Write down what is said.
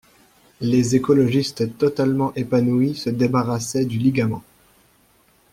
Les écologistes totalement épanouies se débarrassaient du ligament!